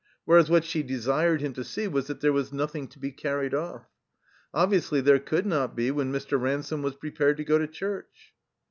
Whereas what she desired him to see was that there was nothing to be carried off. Obviously there could not be, when Mr. Ransome was prepared to go to chturch.